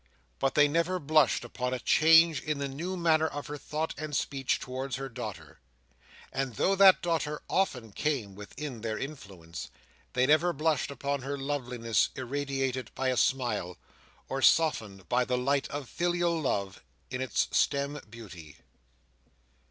But they never blushed upon a change in the new manner of her thought and speech towards her daughter. And though that daughter often came within their influence, they never blushed upon her loveliness irradiated by a smile, or softened by the light of filial love, in its stern beauty.